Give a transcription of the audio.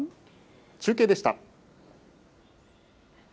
中継でした。